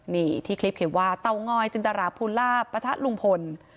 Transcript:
นี่ที่คลิปเขียนว่าเตางอยจินตราภูลาปะทะลุงพล